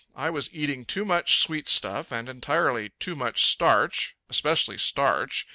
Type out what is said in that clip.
I was eating too much sweet stuff and entirely too much starch especially starch.